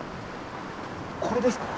これですか？